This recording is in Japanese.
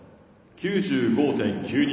９５．９２。